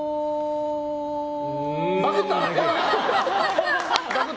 バグった。